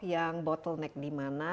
yang bottleneck di mana